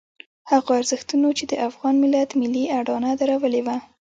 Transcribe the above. هغو ارزښتونو چې د افغان ملت ملي اډانه درولې وه.